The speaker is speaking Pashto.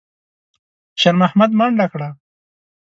شېرمحمد منډه کړه.